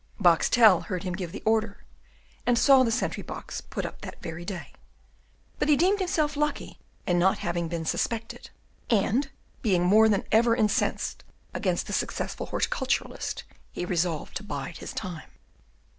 Boxtel heard him give the order, and saw the sentry box put up that very day; but he deemed himself lucky in not having been suspected, and, being more than ever incensed against the successful horticulturist, he resolved to bide his time.